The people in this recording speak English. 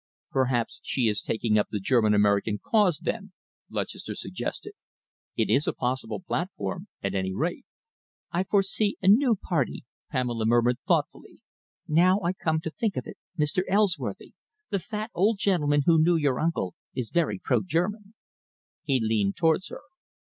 "Perhaps she is taking up the German American cause, then," Lutchester suggested. "It is a possible platform, at any rate." "I foresee a new party," Pamela murmured thoughtfully. "Now I come to think of it, Mr. Elsworthy, the fat old gentleman who knew your uncle, is very pro German." He leaned towards her.